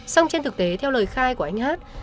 xong trên thực tế theo lời khai của anh hát